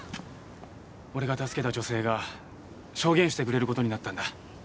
俺が助けた女性が証言してくれる事になったんだ。